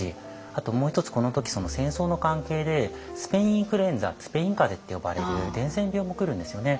あともう一つこの時戦争の関係でスペインインフルエンザスペイン風邪って呼ばれる伝染病も来るんですよね。